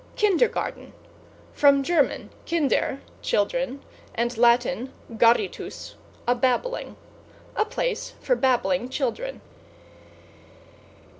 =KINDERGARTEN= From Ger. kinder, children, and Lat. garritus, a babbling. A place for babbling children.